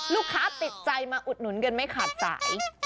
ลูกค้าติดใจมาอุดหนุนกันไม่ขาดสาย